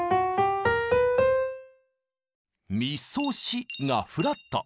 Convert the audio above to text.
「ミソシ」がフラット。